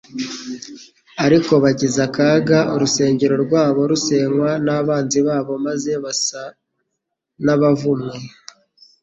Ariko bagize akaga, urusengero rwabo rusenywa n’abanzi babo, maze basa n’abavumwe;